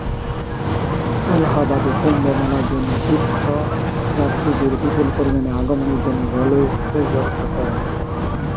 এলাহাবাদে কুম্ভ মেলার জন্য তীর্থযাত্রীদের বিপুল পরিমাণে আগমনের জন্য রেলওয়ে বিশেষ ব্যবস্থা করে।